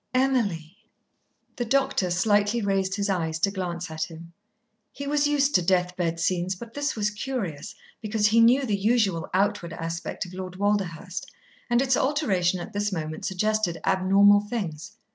Emily!" The doctor slightly raised his eyes to glance at him. He was used to death bed scenes, but this was curious, because he knew the usual outward aspect of Lord Walderhurst, and its alteration at this moment suggested abnormal things.